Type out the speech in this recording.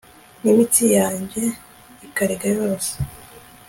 n'imitsi yanjye ikarega yose